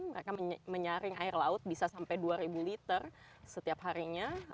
mereka menyaring air laut bisa sampai dua ribu liter setiap harinya